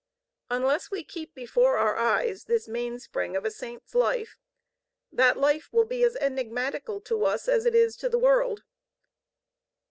Unless we keep before our eyes this mainspring of a Saint's life, that life will be as enigmatical to us as it is to the world.